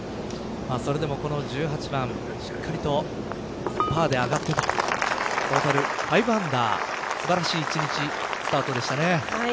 それでも１８番しっかりとパーで上がってとトータル５アンダー素晴らしい一日スタートでしたね。